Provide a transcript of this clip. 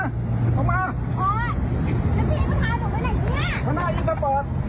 ลงมาอ๋อแล้วพี่ก็ถ่ายลงไปไหนนี่